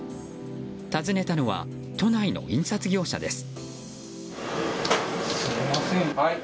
訪ねたのは都内の印刷業者です。